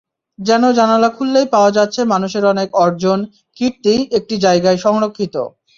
যেন জানালা খুললেই পাওয়া যাচ্ছে মানুষের অনেক অর্জন, কীর্তি একটি জায়গায় সংরক্ষিত।